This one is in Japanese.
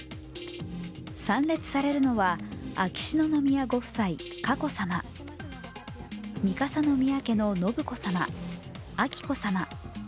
参列されるのは、秋篠宮ご夫妻、佳子さま、三笠宮家の信子さま、彬子さま。